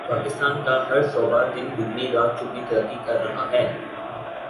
پاکستان کا ہر شعبہ دن دگنی رات چگنی ترقی کر رہا ہے